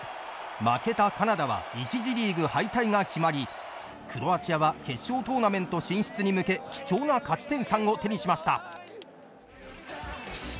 負けたカナダは１次リーグ敗退が決まりクロアチアは決勝トーナメント進出に向け貴重な勝ち点３を手にしました。